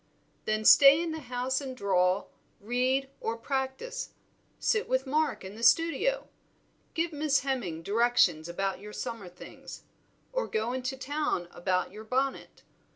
"Then stay in the house and draw, read, or practise. Sit with Mark in the studio; give Miss Hemming directions about your summer things, or go into town about your bonnet.